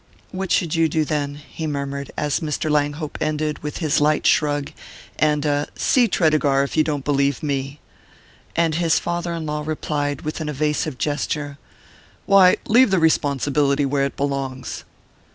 "What should you do, then?" he murmured, as Mr. Langhope ended with his light shrug and a "See Tredegar, if you don't believe me" ; and his father in law replied with an evasive gesture: "Why, leave the responsibility where it belongs!"